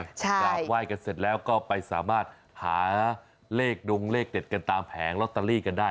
กราบไหว้กันเสร็จแล้วก็ไปสามารถหาเลขดงเลขเด็ดกันตามแผงลอตเตอรี่กันได้